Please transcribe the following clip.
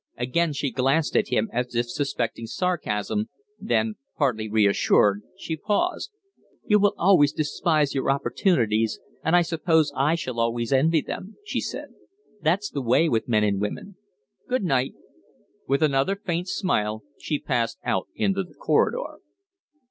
Again she glanced at him as if suspecting sarcasm then, partly reassured, she paused. "You will always despise your opportunities, and I suppose I shall always envy them," she said. "That's the way with men and women. Good night!" With another faint smile she passed out into the corridor.